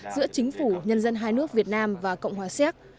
giữa chính phủ nhân dân hai nước việt nam và cộng hòa xéc